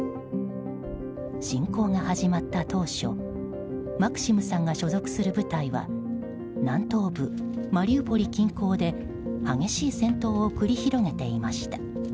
侵攻が始まった当初マクシムさんが所属する部隊は南東部マリウポリ近郊で激しい戦闘を繰り広げていました。